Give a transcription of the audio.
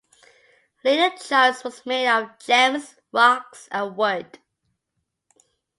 Later charms were made out of gems, rocks, and wood.